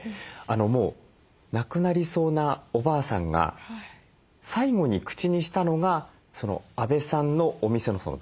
もう亡くなりそうなおばあさんが最期に口にしたのが阿部さんのお店のだしだったと。